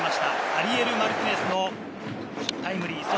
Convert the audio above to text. アリエル・マルティネスのタイムリー。